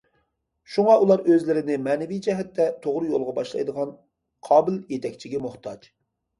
شۇڭا ئۇلار ئۆزلىرىنى مەنىۋى جەھەتتە توغرا يولغا باشلايدىغان قابىل يېتەكچىگە موھتاج.